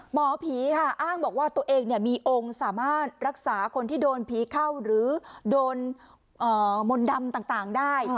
หมอผีค่ะอ้างบอกว่าตัวเองมีองค์สามารถรักษาคนที่โดนผีเข้าหรือโดนมนต์ดำต่างได้